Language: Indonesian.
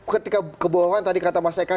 ketika kebohongan tadi kata mas eka